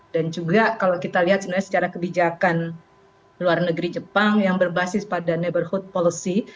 dan juga kalau kita lihat sebenarnya secara kebijakan luar negeri jepang yang berbasis pada neighborhood policy